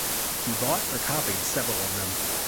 He bought or copied several of them.